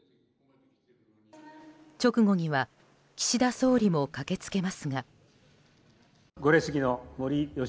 直後には岸田総理も駆けつけますが。